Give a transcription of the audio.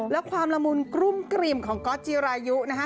และความละมุนกลุ้มกลิ่มของก๊อตจิรายุนะฮะ